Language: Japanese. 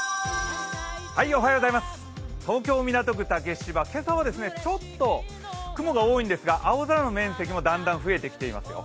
東京・港区竹芝、今朝はちょっと雲が多いですが青空の面積もだんだん増えてきてますよ。